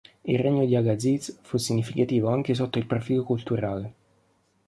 Il regno di al-ʿAzīz fu significativo anche sotto il profilo culturale.